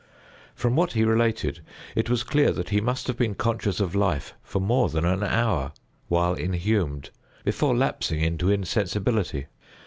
From what he related, it was clear that he must have been conscious of life for more than an hour, while inhumed, before lapsing into insensibility.